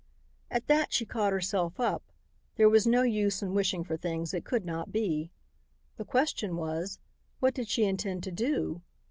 At that she caught herself up; there was no use in wishing for things that could not be. The question was, what did she intend to do?